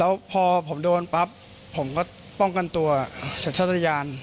แล้วพอผมโดนปั๊บผมก็ป้องกันตัวสัญชาติยาน